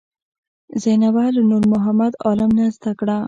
زینبه له نورمحمد عالم نه زده کړه.